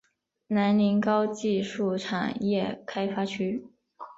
南宁高新技术产业开发区